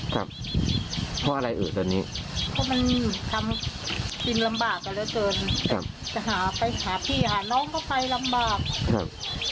จะเดินไปหาไปทั้งไหนก็ไม่ได้